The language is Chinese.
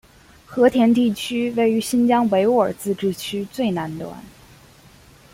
和田地区位于新疆维吾尔自治区最南端。